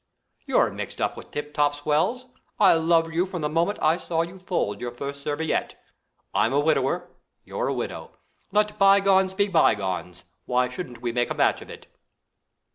You're mixed up with tip top swells; I loved you from the moment I saw you fold your first serviette. I'm a widower, you're a widow. Let bygones be bygones. Why shouldn't we make a match of it?"